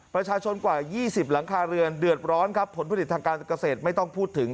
ประชาชนกว่า๒๐หลังคาเรือนเดือดร้อนครับผลผลิตทางการเกษตรไม่ต้องพูดถึง